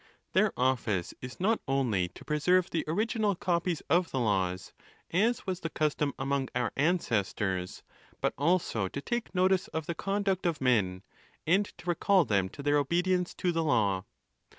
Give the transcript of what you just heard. Their office is not only to preserve the original copies of the laws, as was the custom among our ancestors, but also to take notice of the conduct of men, and to recall them to their obedience to the law.